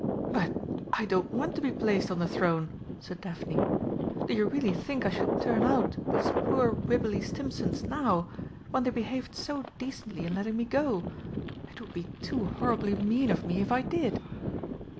"But I don't want to be placed on the throne!" said Daphne. "Do you really think I should turn out these poor Wibberley Stimpsons now when they behaved so decently in letting me go? It would be too horribly mean of me if I did."